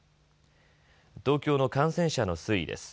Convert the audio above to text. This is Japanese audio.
東京の感染者の推移です。